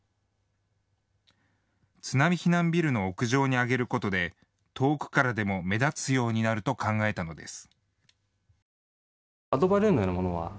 津波避難ビルの屋上に上げることで遠くからでも目立つようになると考えたのです。